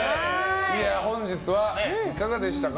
本日はいかがでしたか？